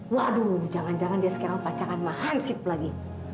waduh jangan jangan dia sekarang pacaran mahanship lagi